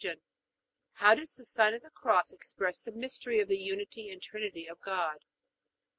How does the sign of the Cross express the mystery of the Unity and Trinity of God?